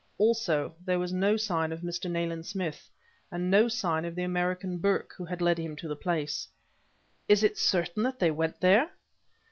Also there was no sign of Mr. Nayland Smith, and no sign of the American, Burke, who had led him to the place." "Is it certain that they went there?"